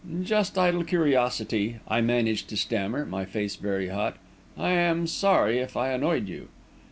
"Just idle curiosity," I managed to stammer, my face very hot. "I am sorry if I annoyed you."